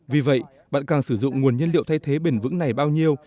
vì vậy bạn càng sử dụng nguồn nhân liệu thay thế bền vững này bao nhiêu